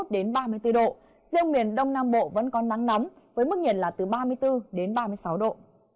đến ba mươi bốn độ riêng miền đông nam bộ vẫn có nắng nóng với mức nhiệt là từ ba mươi bốn đến ba mươi sáu độ